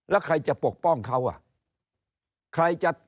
แล้วใครจะปกป้องเขาอ่ะ